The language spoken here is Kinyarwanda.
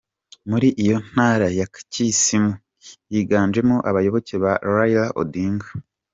Muri iyo ntara ya Kisumu yiganjemwo abayoboke ba Raila Odinga.